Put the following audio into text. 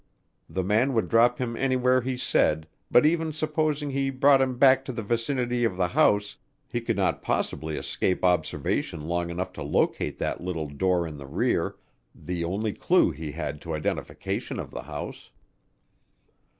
The man would drop him anywhere he said, but even supposing he brought him back to the vicinity of the house, he could not possibly escape observation long enough to locate that little door in the rear the only clue he had to identification of the house.